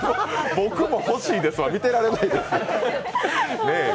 僕も欲しいんですは見てられないです。